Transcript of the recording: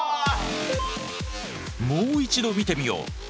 もう一度見てみよう。